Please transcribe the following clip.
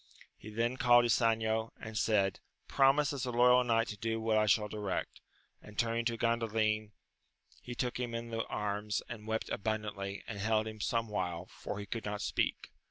He then called Ysanjo, and said, promise as a loyal knight to do what I shall direct ! and turning to Gandalin, he took him in his arms and wept abundajitly, and held him somewhile, for he could not speak.